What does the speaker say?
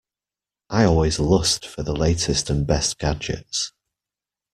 I always lust for the latest and best gadgets.